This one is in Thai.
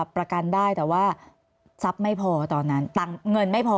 ประกันได้แต่ว่าทรัพย์ไม่พอตอนนั้นเงินไม่พอ